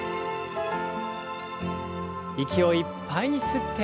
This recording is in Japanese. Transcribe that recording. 息をいっぱいに吸って。